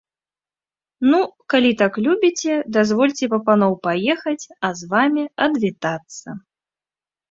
Ну, калі так любіце, дазвольце па паноў паехаць, а з вамі адвітацца.